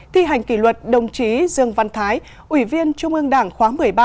thi hành kỷ luật đồng chí dương văn thái ủy viên trung ương đảng khóa một mươi ba